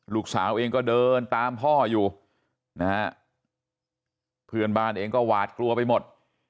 ลูกสาวเองก็เดินตามพ่ออยู่นะฮะเพื่อนบ้านเองก็หวาดกลัวไปหมด